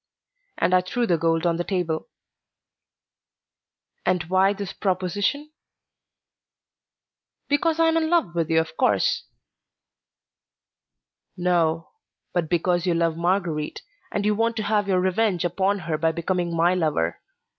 And I threw the gold on the table. "And why this proposition?" "Because I am in love with you, of course." "No, but because you love Marguerite, and you want to have your revenge upon her by becoming my lover.